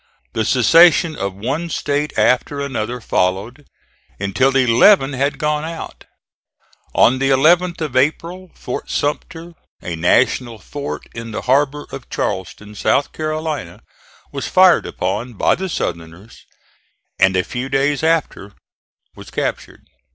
The secession of one State after another followed, until eleven had gone out. On the 11th of April Fort Sumter, a National fort in the harbor of Charleston, South Carolina, was fired upon by the Southerners and a few days after was captured.